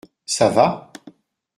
Ça va ?